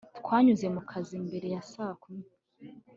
twanyuze mu kazi mbere ya saa kumi